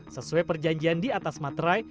sesuai perjanjian di atas materai